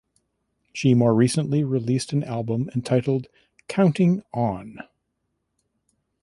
She more recently released an album entitled "Counting On".